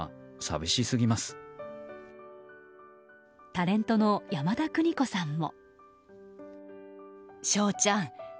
タレントの山田邦子さんも。